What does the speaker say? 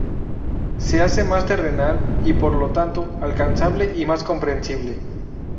Se hace más terrenal y, por lo tanto, alcanzable y más comprensible.